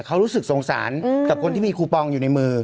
เขารู้สึกสงสารกับคนที่มีคูปองอยู่ในมือ